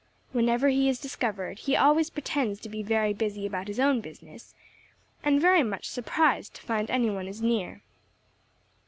Whenever he is discovered, he always pretends to be very busy about his own business, and very much surprised to find any one is near.